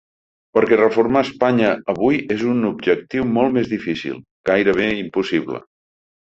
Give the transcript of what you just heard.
Perquè reformar Espanya avui és un objectiu molt més difícil, gairebé impossible.